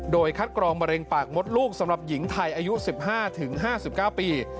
โดยคัดกรองมะเร็งปากมดลูกสำหรับหญิงไทยอายุ๑๕๕๙ปี